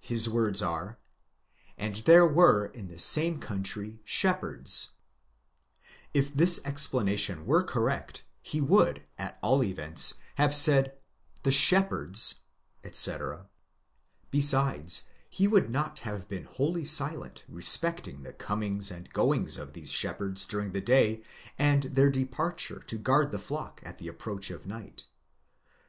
His words are: and there were in the same country shepherds, καὶ ποιμένες ἦσαν ἐν τῇ χώρᾳ τῇ αὐτῇ. If this explanation were correct he would, at all events, have said, the shepherds etc. oi δὲ ποιμένες x. τ. X.; besides he would not have been wholly silent respecting the comings and goings of these shepherds during the day, and their departure to guard the flock at the approach of night.